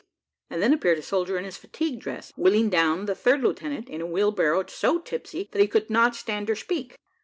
and then appeared a soldier in his fatigue dress, wheeling down the third lieutenant in a wheelbarrow so tipsy that he could not stand or speak.